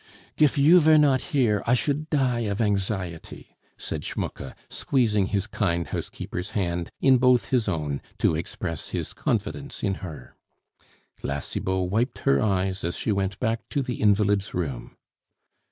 "Gif you vere not here, I should die of anxiety " said Schmucke, squeezing his kind housekeeper's hand in both his own to express his confidence in her. La Cibot wiped her eyes as she went back to the invalid's room.